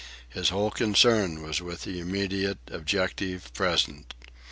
His whole concern was with the immediate, objective present.